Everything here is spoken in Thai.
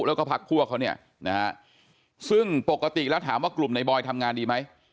แล้วก็พักพวกเขาเนี่ยนะฮะซึ่งปกติแล้วถามว่ากลุ่มในบอยทำงานดีไหม